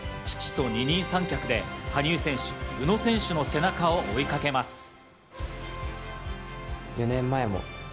父と二人三脚で羽生選手、宇野選手の背中を追いかけます。